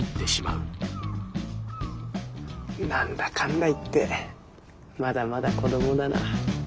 何だかんだ言ってまだまだ子どもだな。